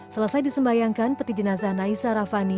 selesai disembayangkan peti jenazah naisa rafani